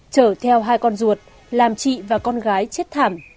chở theo hai con ruột làm chị và con gái chết thảm